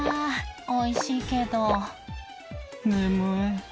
「おいしいけど眠い」